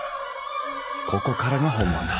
ここからが本番だ。